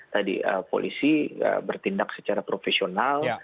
tadi polisi bertindak secara profesional